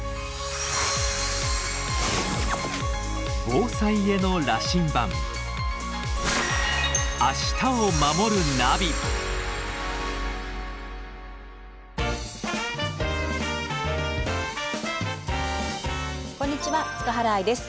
防災への羅針盤こんにちは塚原愛です。